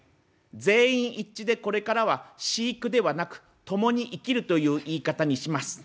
全員一致でこれからは『飼育』ではなく『共に生きる』という言い方にします。